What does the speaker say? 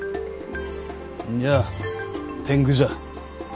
んにゃ天狗じゃ。